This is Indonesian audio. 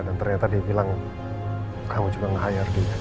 dan ternyata dia bilang kamu cuma nge hire dia